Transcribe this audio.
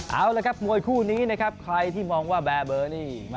เอาละครับมวยคู่นี้นะครับใครที่มองว่าแบร์เบอร์นี่